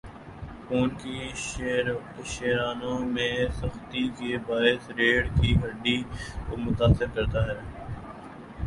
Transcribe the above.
خون کی شریانوں میں سختی کے باعث ریڑھ کی ہڈی کو متاثر کرتا ہے